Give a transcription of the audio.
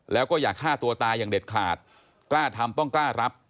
แล้วก็อย่าฆ่าตัวตายอย่างเด็ดขาดกล้าทำต้องกล้ารับ